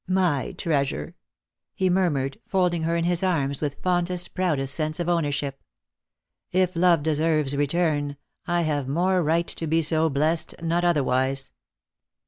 " My treasure !" he murmured, folding her in his arms with fondest, proudest sense of ownership. " If love deserves return, I have more right to be so blessed, not otherwise.